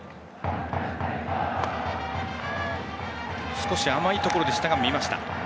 少し甘いところでしたが見ました。